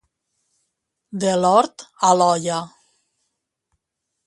De l'hort a l'olla.